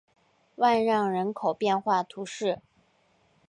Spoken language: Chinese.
万让人口变化图示